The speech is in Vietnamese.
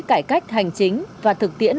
cải cách hành chính và thực tiễn